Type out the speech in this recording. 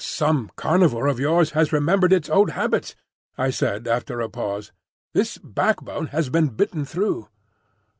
"Some carnivore of yours has remembered its old habits," I said after a pause. "This backbone has been bitten through."